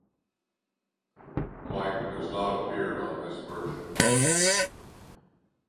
Mike does not appear on this version.